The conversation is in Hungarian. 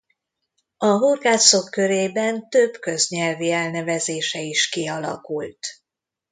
A horgászok körében több köznyelvi elnevezése is kialakult.